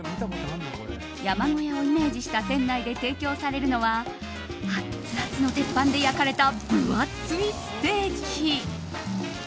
山小屋をイメージした店内で提供されるのはアツアツの鉄板で焼かれた分厚いステーキ。